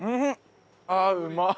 ああうまっ！